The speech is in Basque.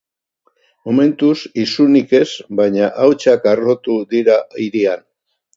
Momentuz, isunik ez, baina hautsak harrotu dira hirian.